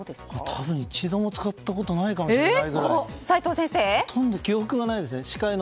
多分、一度も使ったことがないかもしれないぐらい。